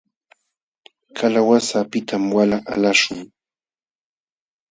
Kalawasa apitam wala qalaśhun.